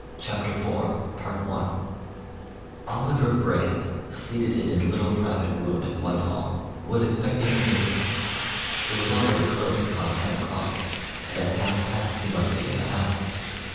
CHAPTER IV I Oliver Brand, seated in his little private room at Whitehall, was expecting a visitor. It was already close upon ten o'clock, and at half past he must be in the House.